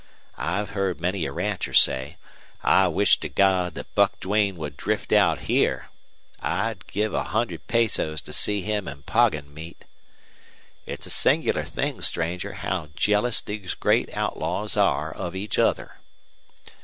I've heard many a rancher say: 'I wish to God that Buck Duane would drift out here! I'd give a hundred pesos to see him and Poggin meet.' It's a singular thing, stranger, how jealous these great outlaws are of each other."